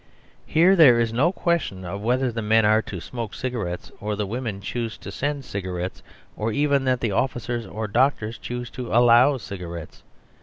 Here there is no question of whether the men are to smoke cigarettes, or the women choose to send cigarettes, or even that the officers or doctors choose to allow cigarettes.